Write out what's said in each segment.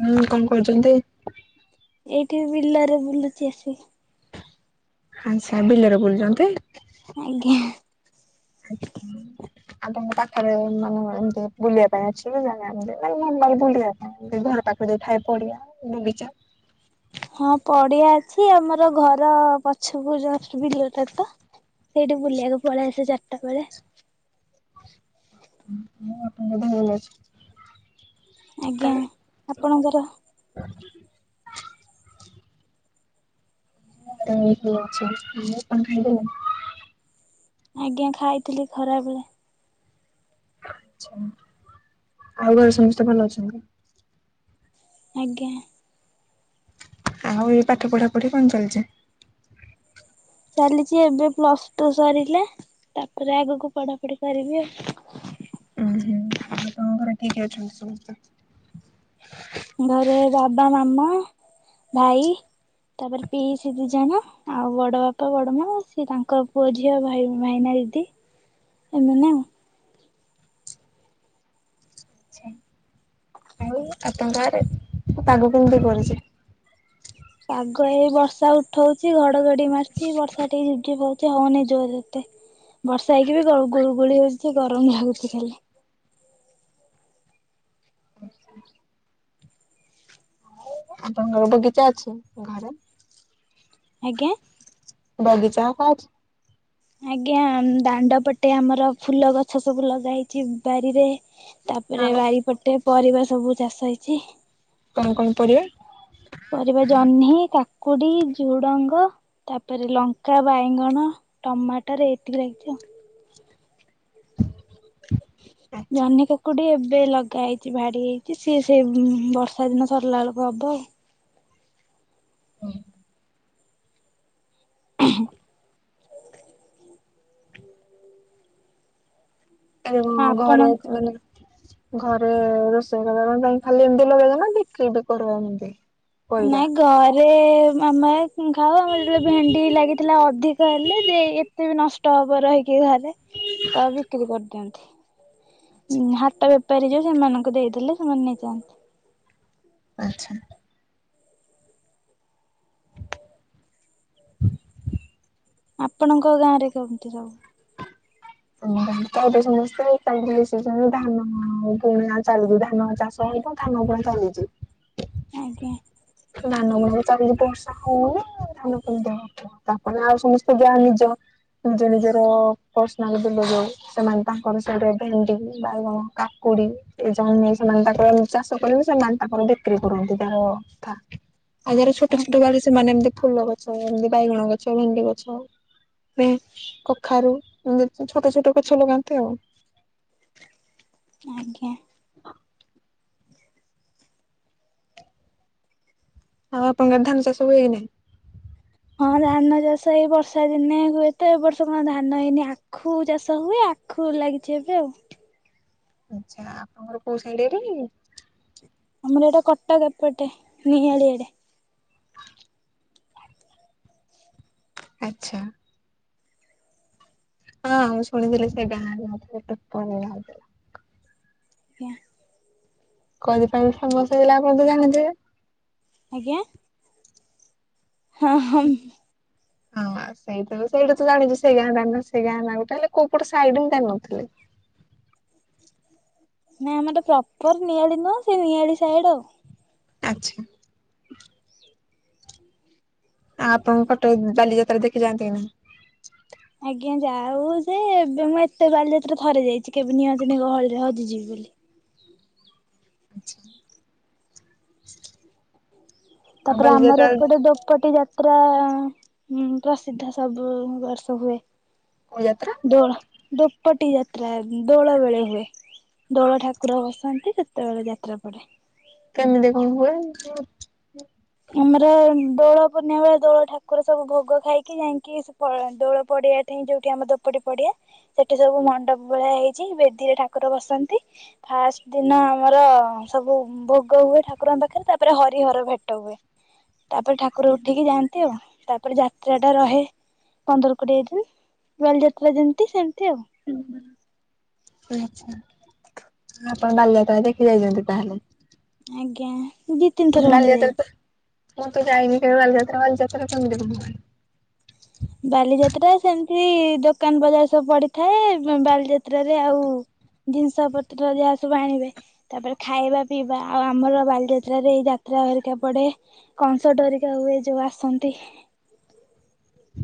ମୁଁ ତମୁ କଇଚନ୍ତି। ଏଇଠି ବିଲରେ ବୁଲୁଚି ଆସିକି। ଆଛା ବିଲରେ ବୁଲୁଚନ୍ତି। ଆଜ୍ଞା ଆପଣଙ୍କ ପାଖରେ ମାନେ ଏମିତି ବୁଲିବା ପାଇଁ ଅଛି କି ଜାଣେ ଏମତି ମାନେ ଭଲ ଲାଗେ ବୁଲିବା ପାଇଁ ଏମତି ଘର ପା ଖରେ ଥାଏ ପଡ଼ିଆ ବଗିଚା। ହଁ ପଡିଆ ଅଛି ଆମର ଘର ପଛୁକୁ ଜଷ୍ଟ ବିଲ ଟା ତ। ସେଇଟି ବୁଲିବାକୁ ପଳେଇ ଆସେ ଚାରିଟା ବେଳେ। [unintelligible] ଭଲ ଅଛି। ଆଜ୍ଞା ତମେ? ଆପଣଙ୍କର। ଏଇଠି ଅଛି ତମେ କଣ ଖାଉଥିଲ? ଆଜ୍ଞା ଖାଇଥିଲି ଖରାବେଳେ। ଆଚ୍ଛା ଆଉ ଘରେ ସମସ୍ତେ ଭଲ ଅଛନ୍ତି? ଆଜ୍ଞା। ଆଉ ଏ ପାଠ ପଢାପୁଢି କଣ ଚାଲିଚି? ଚାଲିଚି ଏବେ ପ୍ଲସ ଟୁ ସରିଲା ତାପରେ ଆଗକୁ ପଢାପୁଢ଼ି କରିବି। ଉଁ ହୁଁ ଆପଣ ଙ୍କ ଘରେ କିଏ କିଏ ଅଛନ୍ତି ସମସ୍ତେ? ଘରେ ବାବା ମାମା ଭାଇ। ତାପରେ ପିଇସି ଦିଜଣ ଆଉ ବଡ ବାପା ବଡ ମା ସିଏ ତାଙ୍କ ପୁଅ ଝିଅ ଭାଇ ଭାଇମା ଦିଦି ଏମାନେ ଆଉ। ଆଚ୍ଛ ଆଉ ଆପଙ୍କ ଆରେ ପାଗ କେମିତି କରିଚି? ପାଗ ଏଇ ବର୍ଷା ଉଠଉଛି ଘଡଘଡି ମାରିଚି ବର୍ଷା ଟିକେ ଝିପ୍ ଝିପ୍ ପ ଏତେ ହଉନି ଜୋରରେ ଏତେ ବର୍ଷା ହେଇକି ବି ଗଳୁ ଗୁଳୁଗୁଳି ହଉଛି ଗରମ ଲାଗୁଛି ଖାଲି। ଆପଙ୍କର ବଗିଚା ଅଛି ଘରେ? ଆଜ୍ଞା। ବାଗିଚା। [unintelligible] ଆଜ୍ଞା ଦାଣ୍ଡ ପଟେ ଆମର ଫୁଲ ଗଛ ସବୁ ଲଗାହେଇଚି ବାରିରେ। ତାପରେ ଆଉ ବାରିପଟେ ପରିବା ସବୁ ଚାଷ ହେଇଚି। କଣ କଣ ପରିବା? ପରିବା ଜହ୍ନି କା କୁଡ଼ି, ଝୁଡ଼ଙ୍ଗ ତାପରେ ଲଙ୍କା, ବାଇଗଣ, ଟମାଟର ଏତିକି ଲାଗିଛି ଆଉ। ଆଚ୍ଛା ଜହ୍ନି, କାକୁଡି ଏ ଏବେ ଲଗା ହେଇଚି ଭାଡି ହେଇଚି ସିଏ ସେ ବର୍ଷା ଦିନ ସରିଲା ବେଳକୁ ହବ ଆଉ। ହୁଁ। [unintelligible] ଆଉ ଘର ଆପଣଙ୍କ ମାନେ ଘରେ ରୋଷେଇ କରିବା କ ପାଇଁ ଖାଲି ଏମିତି ଲଗେଇଚନ୍ତି ନା ବିକ୍ରି ବି କରିବା ଏମତି। ନାଇଁ ଘରେ [unintelligible] ଖାାଉ ଆମର ଯେତବେଳେ ଭେଣ୍ଡି ଲାଗିଥିଲା ଅଧିକ ହେଲେ ଦେଇ ଏତେ ବି ନଷ୍ଟ ହବ ରହି କି ଘରେ ତ ବିକ୍ରି କରିଦିଅନ୍ତି ହାଟ ରେ ପାରିଯଉ ସେମାନଙ୍କୁ ଦେଇଦେଲେ ସେମାନେ ନେଇଯାଆନ୍ତି। ଆଚ୍ଛା। ଆପଣଙ୍କ ଗାଁରେ କେମତି ସବୁ? [inaudible] କଇବେ ସମସ୍ତେ [unintelligible] ମିଶିଚନ୍ତି ଧାନ ପୁରୁଣା ଚାଲ୍ ଗୁ ଧାନ ଚାଷ। ଏବଂ କାମ ପୁରା ଚାଲୁଚି। ଆଜ୍ଞା। ଧାନତ ଚାରି ବର୍ଷା ହେଲା ଧାନକୁଦେ ତାପରେ ଆଉ ସମସ୍ତେ ଯାହା ନିଜ ନିଜ ନିଜର ପର୍ସନାଲ ସେ ଲଗେଇବେ, ତାଙ୍କର ସହି ଭେଣ୍ଡି ବାଇଗଣ, କାକୁ କୁଡି ଏ ଯଉ ସେମାନେ ତାଙ୍କର ନି ଚାଷ କରିବେ, ସେମାନେ ତାଙ୍କର ବିକ୍ରି କରନ୍ତି ତହାର କଥା। ଆଉ ଯାର ଛୋଟ ଛୋଟ ବାଡି ସେମାନେ ଏମିତି ଫୁଲ ଗଛ ଏମିତି ବାଇଗଣ ଗଛ ଭେଣ୍ଡି ଗଛ ହୁଁ କଖାରୁ ଛୋଟ ଛୋଟ ଗଛ ଲଗାନ୍ତି ଆଉ। [inaudible] ଆଜ୍ଞା। [inaudible] ଆଉ ଆପଣଙ୍କର ଧାନ ଚାଷ ହୁଏନାହିଁ? ହଁ ଧାନଚାଷ ଏଇ ବର୍ଷା ଦିନେ ହୁଏତ, ଏ ବର୍ଷ କଣ ଧାନ ହେଇନି ଆଖୁ ଚାଷ ହୁଏ ଆଖୁ ଫୁଲ ଲାଗିଚି ଏବେ ଆଉ। ଆଛା ଆପଣଙ୍କର କୋଉ ସାଇଡ ଆଡ଼େ କି? ଆମର ଏଇଟା କଟକ ଏପଟେ ନିଆଳି ଆଡେ। ଆଚ୍ଛା। ହଁ ମୁଁ ଶୁଣିଥିଲି ସେଇ ଗାଁରେ [unintelligible] ଥିଲା। ଆଜ୍ଞା। କରିପାରିବ ସମସ୍ତେ ହେଲା ଆପଣତ ଜାଣିଥିବେ। ଆଜ୍ଞା? ହଁ ହ। ହଁ। ସେଇ ତ ସେଇାଟା ତ ଜାଣିଚୁ ସେ ଗାଁ ନା ସେ ଗାଁ ନା ଗୋଟେ ହେଲେ କୋଉ ପଟ ସାଇଡ ମୁ ଜାଣିନଥିଲି। [inaudible] ନାଇଁ ଆମର ପ୍ରପର ନିଆଳି ନୁହଁ ସେ ନିଆଳି ସାଇଡ ଆଉ। ଆଚ୍ଛା। ଆ ଆପଣଙ୍କ କଟ ବାଲିଯାତ୍ରା ଦେଖି ଯାଆନ୍ତି ନା ନାଇ? ଆଜ୍ଞା ଯାଉ ଯେ ଏବେ ମୁଁ ଏତେ ବାଲିଯାତ୍ରା ଥରେ ଯାଇଚି କେବେ ନିଅନ୍ତିନି ଗହଳିରେ ହଜି ଯିବି ବୋ ଲି। ଆଚ୍ଛା। ଆଉ ତାପରେ ଆମର ବାଲିଯାତ୍ରା ଏପଟେ ଦୋପଟି ଯାତ ପୁରା ପ୍ରସିଦ୍ଧ ସବୁ ବର୍ଷ ହୁଏ। କୋଉ ଯାତ୍ରା ଦଳ ଦୋପଟି ଯାତ୍ରା ଦୋଳ ବେଳେ ହୁଏ। ଦୋଳ ଠାକୁର ବସାନ୍ତି ସେତେବେଳେ ଯାତ୍ରା ପଡେ। କେମିତି କଣ ହୁଏ ଏମିତି ଆଉ। ଆମର ଦୋଳ ପୂର୍ଣ୍ଣିମା ବେଳେ ଦୋଳ ଠାକୁର ସବୁ ଭୋଗ ଖାଇକି ଯାଇକି ଫଳ ଦୋଳ ପଡିଆଠୀ ଯୋଉଠି ଆମ ଦୋପଡି ପଡିଆ ସେଠି ସବୁ ମଣ୍ଡପ ଭଳିଆ ହେଇଚି ବେଦୀରେ ଠାକୁର ବସନ୍ତି। ଫାଷ୍ଟ ଦିନ ଆମର ସବୁ ଭୋଗ ହୁଏ ଠାକୁରଙ୍କ ପାଖରେ ତାପରେ ହରି ହର ଭେଟ ଭେଟ ହୁଏ ତାପରେ ଠାକୁର ଉଠିକି ଯାଆନ୍ତି ଆଉ। ତାପରେ ଯାତ୍ରା ଟା ରହେ ପନ୍ଦର କୋଡିଏ ଦିନ ବାଲିଯାତ୍ରା ଯେମିତି ସେମିତି ଆଉ। ହୁଁ ହୁଁ। ଆଛା ଆପଣ ବାଲିଯାତ୍ର ଦେଖି ଯାଇଚନ୍ତି ତାହେଲେ। ଆଜ୍ଞା ଦି ତିନ ଥର ଖଣ୍ଡେ ବାଲିଯାତ୍ରା ତ ଯାଇଚି। ମୁଁ ତ ଯାଇନି କେବେ ବାଲିଯାତ୍ରା ବାଲିଯାତ୍ରା କେମତି କଣ ହୁଏ? ବାଲିଯାତ୍ରା ସେମତି ଦୋକାନ ବଜାର ସବୁ ପଡିଥାଏ, ବାଲିଯାତ୍ରରେ ଆଉ ଜିନିଷ ପତ୍ର ଯାହା ସବୁ ଆଣିବେ ତାପରେ ଖାଇବା ପିଇବା ଆଉ ଆମର ବାଲିଯାତ୍ରାରେ ଏଇ ଯା ଟ୍ରା ହରିକା ପଡେ କନସଟ ହେରିକା ହୁଏ ଯୋଉ ଆସନ୍ତି। [inaudible]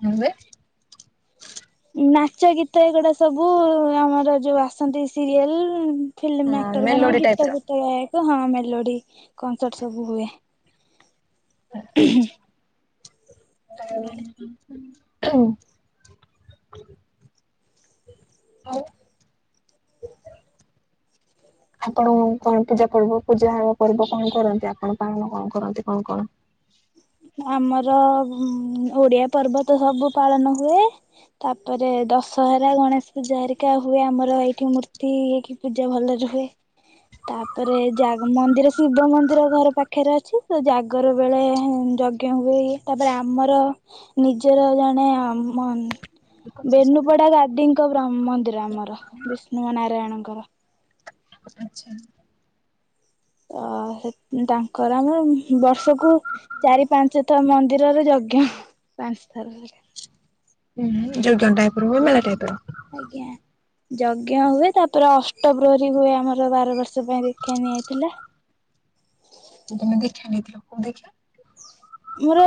କଣବେ? ନାଚ ଗୀତ ଏଗୁଡା ସବୁ ଆମର ଯୋଉ ଆସନ୍ତି ସିରିଏଲ। ଫିଲ୍ମ ହଁ ଆକ୍ଟର ମାନେ ମେଲୋଡି ଟାଇପ ଗୀତ ର। ଫିତ ଗାଏ। ତ ହଁ ମେଲୋଡି କନସର୍ଟ ସବୁ ହୁଏ। ଆଚ୍ଛା। [inaudible] ହୋଉ। ଆପଣ କଣ ପୂଜା ପର୍ବ ପୂଜା ହବ କରିବ କଣ କରନ୍ତି ଆପଣ ପାଳନ କଣ କରନ୍ତି କଣ କଣ? [inaudible] ଆମର ଓଡିଆ ପର୍ବ ତ ସବୁ ପାଳନ ହୁଏ ତାପରେ ଦଶ ହରା ଗଣେଶ ପୂଜା ହେରିକା ହୁଏ ଆମର ଏଇଠି ମୂର୍ତ୍ତି ଏଇଠି ପୂଜା ଭଲରେ ହୁଏ। ତାପରେ ଜା ମନ୍ଦିର ଶିବ ମନ୍ଦିର ଘର ପାଖରେ ଅଛି ତ ଜାଗର ବେଳେ ଉଁ ଯଜ୍ଞ ହୁଏ ତାପରେ ଆମର ନିଜର ଜଣେ ଆଁ ମ ବେନୁପଡା ଗାଦିଙ୍କ ମନ୍ଦିର ଆମର ବିଷ୍ଣୁ ନାରାୟଣଙ୍କର। ଆଚ୍ଛା। ତ ସେ ତାଙ୍କର ଆମର ବର୍ଷକୁ ଚାରି ପାଞ୍ଚତଥ ମ ମନ୍ଦିରରେ ଯଜ୍ଞ ପାଞ୍ଚ ଥର। ହୁଁ ଯଜ୍ଞ ଟାଇପ ର ମେଳା ଟାଇପର। ଆଜ୍ଞା। ଯଜ୍ଞ ହୁଏ ତାପରେ ଅଷ୍ଟ ପ୍ର୍ରହରୀ ହୁଏ ଆମର ବାର ବର୍ଷ ପାଇଁ ଦୀକ୍ଷା ନିଆ ହେଇଥିଲା। ତମେ ଦୀକ୍ଷା ନେଇଥିଲ କି ଦୀକ୍ଷା। ମୋର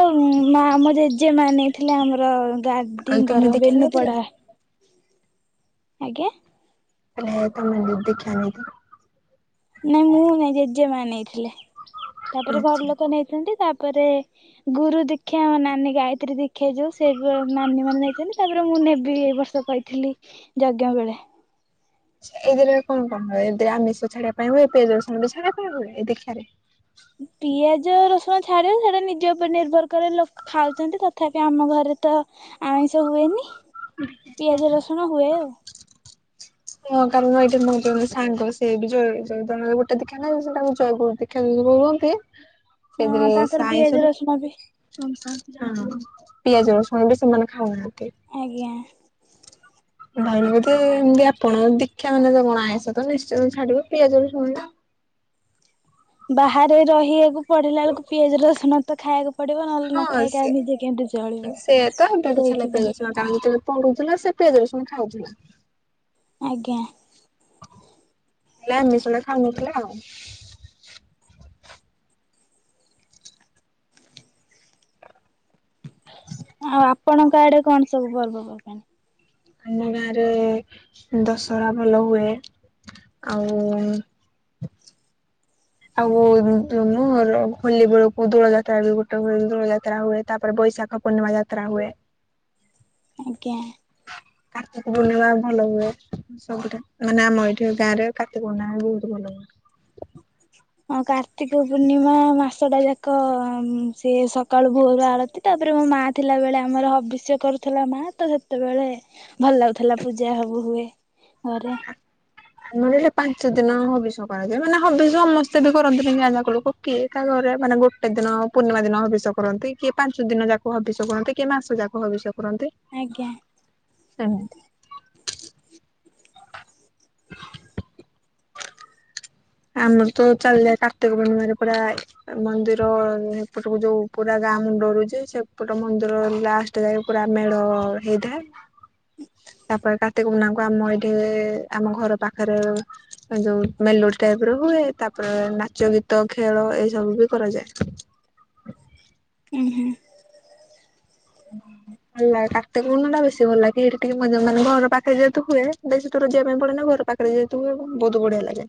ମା ଆମ ଜେଜେ ନେଇଥିଲା ଆମର କହିଲି ଆଦିଙ୍କ ତମେ ର ଦୀକ୍ଷା ବେନୁ ନେଇଥିଲ? ପଡ଼ା। ଆଜ୍ଞା। [unintelligible] ନାଇଁ ମୁଁ ନାଇଁ ଜେଜେମା ନେଇଥିଲେ ତାପରେ ଆଚ୍ଛା। ଘର ଲୋକ ନେଇଛନ୍ତି ତା ପ ପରେ ଗୁରୁ ଦିକ୍ଷା ଆମ ନାନୀ ଗାୟତ୍ରୀ ଦୀକ୍ଷା ଯୋଉ ସେ ନାନୀ ମାନେ ଯାଇଥିଲେ ତାପରେ ମୁ ନେବି ଏଇ ବର୍ଷ କହିଥିଲି ଯଜ୍ଞ ବେଳେ। ଏଇଥିରେ କଣ କଣ ହୁଏ ଏରେ ଆମିଷ ଛାଡିବା ପାଇଁ ହୁଏ ପିଆଜ ରସୁଣ ଛାଡିବା ପାଇଁ ହୁଏ ଦିକ୍ଷା ରେ। ହ ପିଆଜ ରସୁଣ ଛାଡ଼ିବ ସେଇଟା ନିଜ ଉପରେ ନିର୍ଭର କରେ ଲୋକ ଖାଉଛନ୍ତି ତଥାପି ଆମ ଘରେ ତ ଆମିଷ ହୁଏନି ପିଆଜ ରସୁଣ ହୁଏ ଆଉ। [inaudible] ହଁ କାରଣ ଏଇଟି ମଁ ବି ଜଣେ ସାଙ୍ଗ ସେ ବିଯେ ଗୋଟେ ଦେଖା ନା ସେଟା ଦେଖା। କୁହ ହଁ ସେଥିରେ ତାଙ୍କର ପିଆଜ ରସୁଣ ବି ସାଇତି ହଁ ପିଆଜ ରସୁଣ ବି ସେମାନେ ଖାଉନାହାନ୍ତି। ଆଜ୍ଞା। ଭାଙ୍ଗିକି ଏମିତି ଆପ ଆପଣ ଦୀକ୍ଷା ମାନେ ଯ କଣ ଆଇସ ତ ନିଶ୍ଚିତ ଛାଡିବ ପିଆଜ ରଶୁଣ। ବାହାରେ ରହିବାକୁ ପଡିଲା ବେଳକୁ ପିଆଜ ରସୁଣ ତ ଖାଇବାକୁ ପଡିବ ନହେଲେ ନ ହଁ ଖାଇକି ଆଉ ସି ନିଜେ କେମିତି ଚଳିବୁ ସିଏ ତ ବଟ ଛେଲା ସେଇଥିପାଇଁ ପାଉଛି ନା କାରଣ ଯେତେବେଳେ ପଢୁଥିଲା ସେ ପିଆଜ ରସୁଣ ଖାଉଥିଲା। ଆଜ୍ଞା। ହେଲା ଏ ଆମିଶ ଖାଉନଥିଲା ଆଉ। ଆଉ ଆପଣଙ୍କ ଆଡେ କଣ ସବୁ ପର୍ବ ପର୍ବାଣୀ? ଆମ ଗାଁ ରେ ଦଶହରା ଭଲ ହୁଏ। ଆଉ ଆଉ ହୋଲି ବେଳକୁ ଦୋଳ ଯାତ୍ରା ବି ଗୋଟେ ହୁଏ ଦୋଳ ଯାତ୍ରା ହୁଏ ତାପରେ ବୈ ଶାଖ ପୂର୍ଣିମା ଯାତ୍ରା ହୁଏ ଆଜ୍ଞା। ହ କାତିକୁ ବନେଇବା ଭଲ ହୁଏ ସବୁଟା ମାନେ ଆମ ଏଇଠି ଗାଁ ରେ କାତି ବନେଇବା ବହୁତ ଭଲ ହୁଏ। ହଁ କାର୍ତ୍ତିକ ପୂର୍ଣ୍ଣିମା ମାସ ଟା ଯାକ ଉଁ ସିଏ ସକାଳୁ ଭୋରୁ ଆଳତି ଟା ତ [unintelligible] ମୋ ମା ଥିଲା ବଳେ ଆମର ହବିଷ୍ୟ କରୁଥିଲା ମା ତ ସେତେବେଳେ ଭଲ ଲାଗୁଥିଲା ପୂଜା ହବୁ ହୁଏ ଘରେ ଆମର ଏଠି ପାଞ୍ଚ ଦିନ ହବିଷ କରାଯାଏ ମାନେ ହବିଷ ସମସ୍ତେ ବି କରନ୍ତି ଗାଁ ଯାକ ଲୋକ କିଏ କାହା ଘରେ ମାନେ ଗୋଟେ ଦିନ ପୂର୍ଣ୍ଣିମା ଦିନ ହବିଷ କରନ୍ତି କିଏ ପାଞ୍ଚ ଦିନ ଯାକୁ ହବିଷ କରନ୍ତି କିଏ ମାସ ଯାକ ହବିଷ କରନ୍ତି ଆଜ୍ଞା ସେମିତି ଆମର ତ ଚାଲିଯାଏ କାର୍ତ୍ତିକ ପୂର୍ଣିମାରେ ପୁରା ମନ୍ଦିର ଏପଟକୁ ଯୋଉ ପୁରା ଗାଁ ଆମ୍ ଡରୁଛି ସେପଟ ମନ୍ଦିର ଲାଷ୍ଟ ଯାଏ ପୁରା ମେଢ ହେଇଥାଏ। ତାପରେ କାର୍ତିକ ପୂର୍ଣ୍ଣିମା କୁ ଆମ ଏଇଠି ଆମ ଘର ପାଖରେ ଯୋଉ ମେଲୋଡ୍ଡି ଟାଇପ ର ହୁଏ ତାପରେ ନାଚ ଗୀତ ଖେଳ ଏଇ ସବୁ ବି କରାଯାଏ। ହ ହୁଁ [inaudible] ହେଲା କାର୍ତ୍ତିକ ପୂର୍ଣ୍ଣିମା ଟା ବେଶୀ ଭଲ ଲାଗେ ହେଠୀ ଟିକେ ମଜା ମାନେ ଘର ପାଖରେ ଯେହେତୁ ହୁଏ ବେଶୀ ଦୁର ଯିବା ପାଇଁ ପଡେ ନା ଘର୍ ପାଖରେ ଯେହେତୁ ହୁଏ ବୋହୁତ ବଢିଆ ଲାଗେ।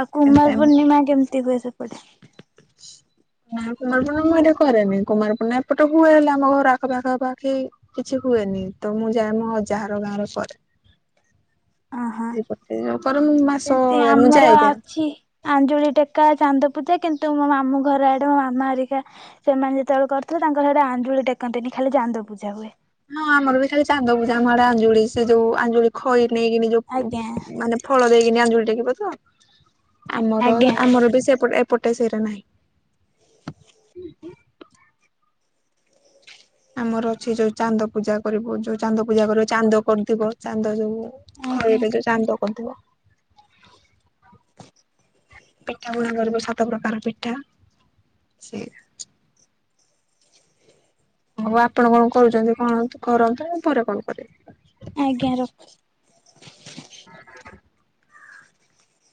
ଆଉ ଏମିତି କୁମାର ଆମେ ପୂର୍ଣ୍ଣିମା କେମିତି ହୁଏ ସେପଟେ? ନାଇଁ କୁମାରପୁଣ୍ଣମା ମୁଁ ଏଠି କରେନି କୁମାରପୂର୍ଣ୍ଣିମା ଏପଟେ ହୁଏ ହେଲେ ଆମ ଘର ଆଖପାଖ ପାଖି କିଛି ହୁଏନି। ତ ମୁଁ ଯାଏ ମୋ ଅଯା ଘର ଗାଁ ରେ କରେ। ଅ ହଁ ସେଇପଟେ କରେ ମୁଁ ମାସ ସେମତି ମୁଁ ଯାଏ ଆମର ଯାଏ। ଅଛି ଆଞ୍ଜୁଳି ଟେକା ଚାନ୍ଦ ପୂଜା କିନ୍ତୁ ମୋ ମାମୁ ଘର ଆଡେ ମୋ ମାମା ହେରିକା ସେମାନେ ଯେତେବେଳେ କରୁଥିଲେ ତାଙ୍କର ହେରା ଆଞ୍ଜୁଳିଟେକ୍ ଡେଲି ଖାଲି ଚାନ୍ଦ ପୂଜା ହୁଏ। ହଁ ଆମର ବି ଖାଲି ଚାନ୍ଦ ପୂଜା ଆମ ଆଡେ ଆଞ୍ଜୁଳି ସେ ଯୋଉ ଆଞ୍ଜୁଳି ଖଇ ନେଇକିନି ଯୋଉ ଆଜ୍ଞା ମାନେ ଫଳ ଦେଇକିନି ଅଞ୍ଜୁଳି ଟେକିବ ତ ଆମର ଆଜ୍ଞା ଆମର ବି ସେପଟ ଏପଟ ଟେ ସେରା ନାହିଁ। ଆମର ଅଛି ଯୋଉ ଚାନ୍ଦ ପୂଜା କରିବୁ ଯୋଉ ଚାନ୍ଦ ପୂଜା କରିବ ଚାନ୍ଦ କରିଦିବ ଚାନ୍ଦ ଯୋଉ ହଁ ଆଜ୍ଞା ଏବେ ଯୋଉ ଚାନ୍ଦ କରିଥିବ। ପିଠାପଣା କରିବ ସାତ ପ୍ରକାର ପିଠା ସେରା ହୋଉ ଆପଣ କଣ କରୁଛନ୍ତି କଣନ୍ତୁ କରନ୍ତୁ ମୁଁ ପରେ କଲ୍ କରିବି। ଆଜ୍ଞା ରଖ [inaudible]